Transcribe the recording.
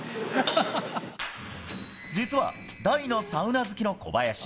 実は大のサウナ好きの小林。